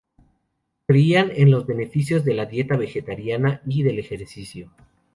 Creían en los beneficios de la dieta vegetariana y del ejercicio.